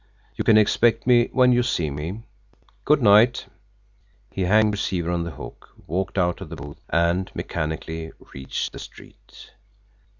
You can expect me when you see me. Good night." He hung the receiver on the hook, walked out of the booth, and mechanically reached the street.